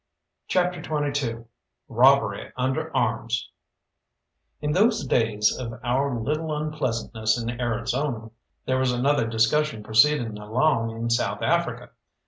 CHAPTER XXII ROBBERY UNDER ARMS In those days of our little unpleasantness in Arizona there was another discussion proceeding along in South Africa.